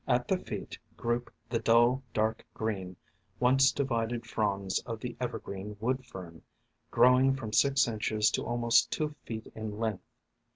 At the feet group the dull, dark green, once divided fronds of the Evergreen Wood Fern, grow ing from six inches to almost two feet in length.